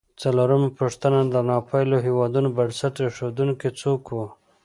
څلورمه پوښتنه: د ناپېیلو هېوادونو بنسټ ایښودونکي څوک و؟